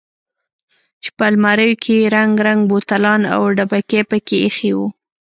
چې په الماريو کښې يې رنګ رنګ بوتلان او ډبکې پکښې ايښي وو.